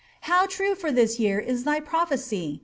How tme lor this year is thy prophecy?